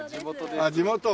あっ地元。